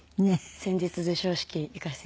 先日授賞式行かせて頂きました。